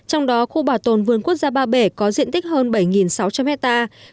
trong đó khu bảo tồn vườn quốc gia ba bể có diện tích hơn bảy sáu trăm linh hectare